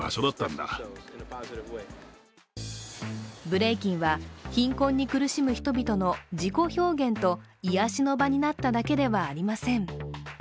ブレイキンは貧困に苦しむ人々の自己表現と癒やしの場になっただけではありません。